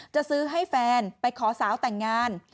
จะซื้อให้แฟนไปขอสาวแต่งงาน